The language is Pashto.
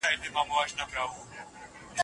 د نوو تولیداتو جوړول ګټور دی.